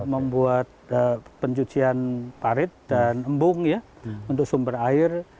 membuat pencucian parit dan embung ya untuk sumber air